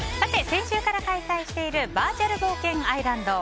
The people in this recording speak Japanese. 先週から開催しているバーチャル冒険アイランド。